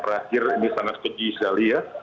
terakhir ini sangat keji sekali ya